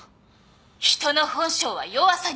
人の本性は弱さにあると。